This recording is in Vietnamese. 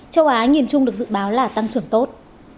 châu á nhìn chung được dự báo là tăng trưởng tốt